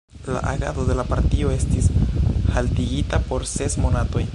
La agado de la partio estis haltigita por ses monatoj.